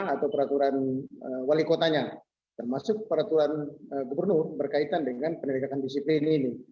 atau peraturan wali kotanya termasuk peraturan gubernur berkaitan dengan penegakan disiplin ini